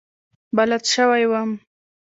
بلد شوی وم.